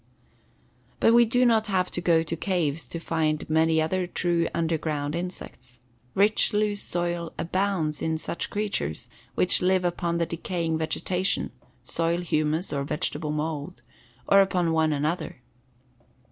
But we do not have to go to caves to find many other true underground insects. Rich, loose soil abounds in such creatures which live upon the decaying vegetation (soil humus or vegetable mold) or upon one another.